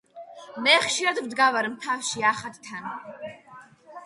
მე ხშირად ვდგავარ მთაში ახადთან